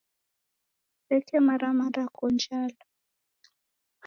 Kusekemara mara kuko njala.